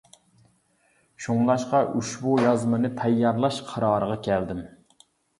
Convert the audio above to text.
شۇڭلاشقا، ئۇشبۇ يازمىنى تەييارلاش قارارىغا كەلدىم.